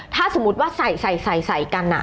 ถ้าสมมุติว่าใส่กัน